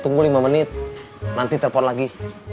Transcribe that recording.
tunggu lima menit nanti telepon lagi